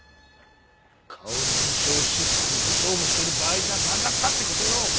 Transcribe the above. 顔認証システムと勝負してる場合じゃなかったって事よ！